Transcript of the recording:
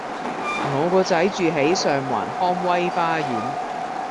我個仔住喺上環康威花園